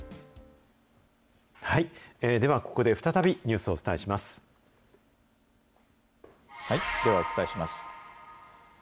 ではここで再びニュースをおではお伝えします。